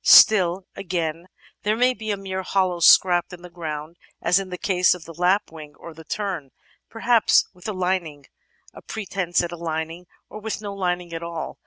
Still, again, there may be a mere hollow scraped in the ground, as in the case of the Lap wing or of the Tern, perhaps with a lining, a pretence at a lining, or with no lining at all.